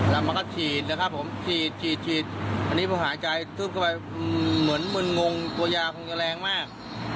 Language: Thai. แล้วมันก็ฉีดนะครับผมฉีดฉีดอันนี้พอหายใจทึบเข้าไปเหมือนมึนงงตัวยาคงจะแรงมาก